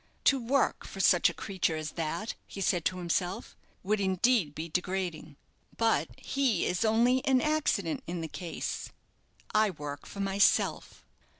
"To work for such a creature as that," he said to himself, "would indeed be degrading; but he is only an accident in the case I work for myself."